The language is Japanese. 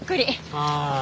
ああ。